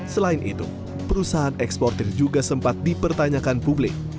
selain itu perusahaan eksportir juga sempat dipertanyakan publik